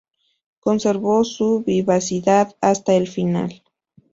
Conservó su vivacidad hasta el final.